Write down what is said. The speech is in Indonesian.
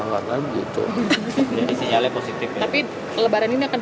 tapi pelebaran ini akan digunakan enggak bang dimanfaatkan